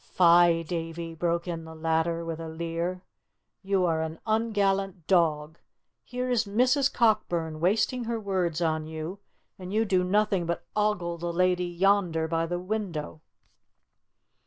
"Fie, Davie!" broke in the latter, with a leer; "you are an ungallant dog! Here is Mrs. Cockburn wasting her words on you, and you do nothing but ogle the lady yonder by the window."